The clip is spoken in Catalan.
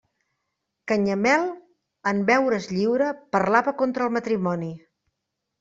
Canyamel, en veure's lliure, parlava contra el matrimoni.